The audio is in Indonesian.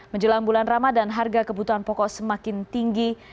menjelang bulan ramadan harga kebutuhan pokok semakin tinggi